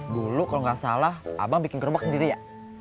dulu kalau nggak salah abang bikin gerobak sendiri ya